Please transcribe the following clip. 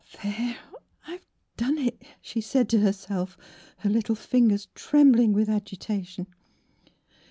" There, I have done it !*' she said to herself, her little fingers trembling with agita tion.